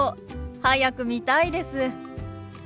早く見たいです。